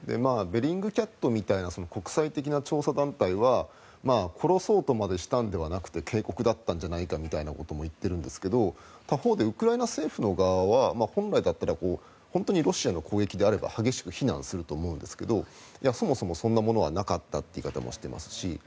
ベリングキャットみたいな国際的な調査団体は殺そうとまでしたのではなくて警告だったんじゃないかみたいなことを言っているんですが他方でウクライナ政府の側は本来だったら本当にロシアの攻撃であれば激しく非難すると思うんですがそもそもそんなものはなかったという言い方もしていますし。